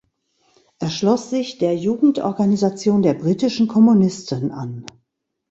Er schloss sich der Jugendorganisation der britischen Kommunisten an.